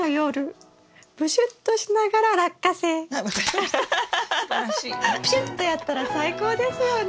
プシュッとやったら最高ですよね。